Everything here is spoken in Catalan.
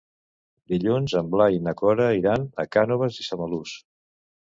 Dilluns en Blai i na Cora iran a Cànoves i Samalús.